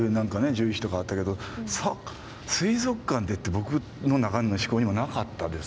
獣医師とかあったけど水族館でって僕の中の思考にはなかったです